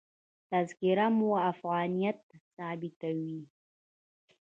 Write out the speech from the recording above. تذکره مو افغانیت ثابتوي.